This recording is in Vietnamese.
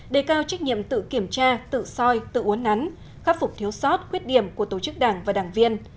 đề cao trách nhiệm tự kiểm tra tự soi tự uốn nắn khắc phục thiếu sót khuyết điểm của tổ chức đảng và đảng viên